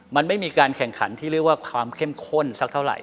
มันไม่มีการแข่งขันที่เรียกว่าความเข้มข้นสักเท่าไหร